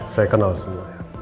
saya kenal semuanya